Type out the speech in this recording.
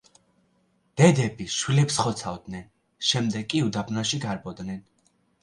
დედები შვილებს ხოცავდნენ, შემდეგ კი უდაბნოში გარბოდნენ.